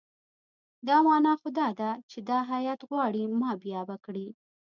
دا معنی خو دا ده چې دا هیات غواړي ما بې آبه کړي.